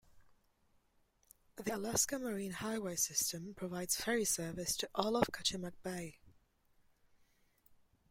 The Alaska Marine Highway System provides ferry service to all of Kachemak Bay.